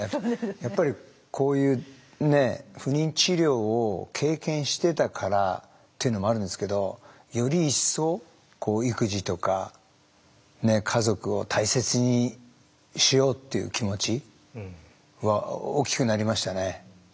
やっぱりこういうね不妊治療を経験してたからっていうのもあるんですけどより一層育児とか家族を大切にしようっていう気持ちは大きくなりましたね。